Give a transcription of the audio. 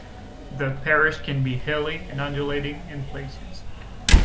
The parish can be hilly and undulating in places.